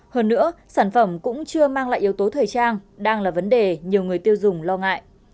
hơn nữa sản phẩm cũng chưa mang lại yếu tố thời trang đang là vấn đề nhiều người tiêu dùng lo ngại